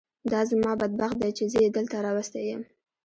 دا زما بد بخت دی چې زه یې دلته راوستی یم.